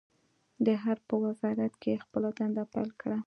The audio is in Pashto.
د حرب په وزارت کې يې خپله دنده پیل کړه.